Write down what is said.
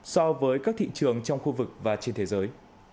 so với các thị trường trong khu vực và trên thế giới